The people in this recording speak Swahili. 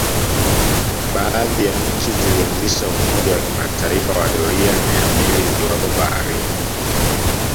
Baadhi ya nchi zilianzisha umoja wa kimataifa wa doria ya meli ziwapo baharini